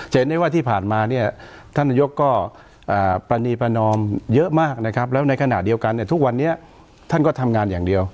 เห็นได้ว่าที่ผ่านมาเนี่ยท่านนายกก็ปรณีประนอมเยอะมากนะครับแล้วในขณะเดียวกันเนี่ยทุกวันนี้ท่านก็ทำงานอย่างเดียว